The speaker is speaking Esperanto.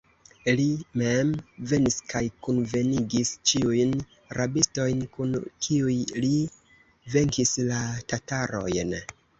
Li mem venis kaj kunvenigis ĉiujn rabistojn, kun kiuj li venkis la tatarojn.